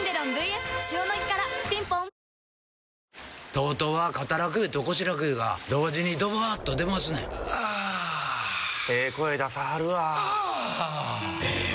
ＴＯＴＯは肩楽湯と腰楽湯が同時にドバーッと出ますねんあええ声出さはるわあええ